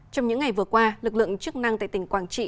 trong những ngày vừa qua lực lượng chức năng tại tỉnh quảng trị